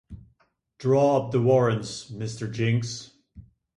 Draw up the warrants, Mr. Jinks.